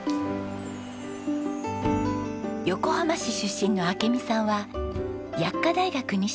横浜市出身の明美さんは薬科大学に進学。